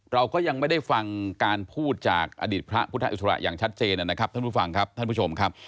เราก็ยังไม่ได้ฟังการพูดจากอดีตพระพุทธอิสระอย่างชัดเจนนะครับท่านผู้ฟังครับท่านผู้ชมครับ